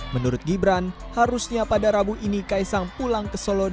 mereka tidak add wong hope apabila kesinnakaang itu allison akar memorize